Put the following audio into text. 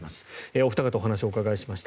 お二方にお話をお伺いしました。